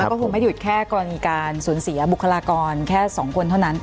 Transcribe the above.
แล้วก็ไม่ได้หยุดแค่กรณีการสูญเสียบุคลากรแค่สองคนเท่านั้น